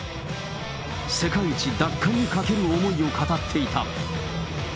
世界一奪還にかける思いを語っていた。